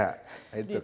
di seluruh dunia